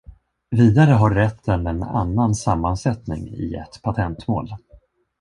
Vidare har rätten en annan sammansättning i ett patentmål.